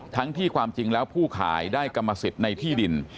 ทั้งที่ความจริงแล้วผู้ขายได้กรรมสิทธิ์ในที่ดิน